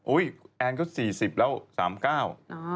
อุ้ยแอนก็๔๐แล้ว